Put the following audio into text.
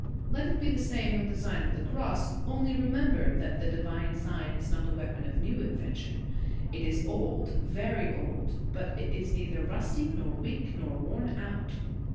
Let it be the same with the Sign of the Cross; only remember that the divine sign is not a weapon of new invention. It is old, very old, but it is neither rusty, nor weak, nor worn out.